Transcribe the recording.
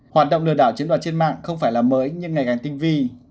hoạt động lừa đảo chiến đoàn trên mạng không phải là mới nhưng ngày càng tinh vi